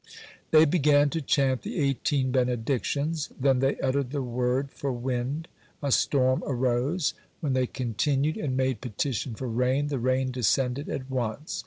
They began to chant the Eighteen Benedictions. Then they uttered the word for wind, a storm arose; when they continued and made petition for rain, the rain descended at once.